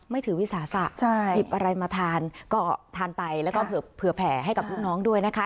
ถือวิสาสะหยิบอะไรมาทานก็ทานไปแล้วก็เผื่อแผ่ให้กับลูกน้องด้วยนะคะ